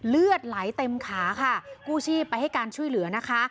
เลือดไหลเต็มขาค่ะกู้ชีพไปให้การช่วยเหลือนะคะ